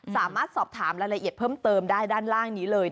สามารถสอบถามรายละเอียดเพิ่มเติมได้ด้านล่างนี้เลย